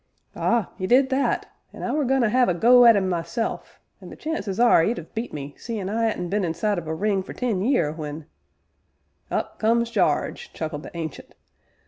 "Ah! 'e did that; an' I were going to 'ave a go at 'im myself; an' the chances are 'e'd 'ave beat me, seein' I 'adn't been inside of a ring for ten year, when " "Up comes Jarge," chuckled the Ancient.